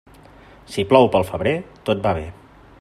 Si plou pel febrer, tot va bé.